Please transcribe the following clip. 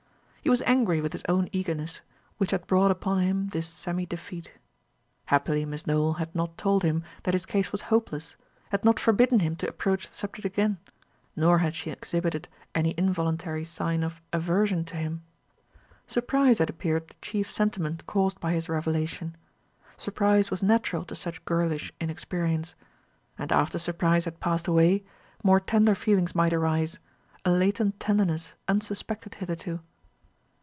He was angry with his own eagerness, which had brought upon him this semi defeat. Happily Miss Nowell had not told him that his case was hopeless, had not forbidden him to approach the subject again; nor had she exhibited any involuntary sign of aversion to him. Surprise had appeared the chief sentiment caused by his revelation. Surprise was natural to such girlish inexperience; and after surprise had passed away, more tender feelings might arise, a latent tenderness unsuspected hitherto.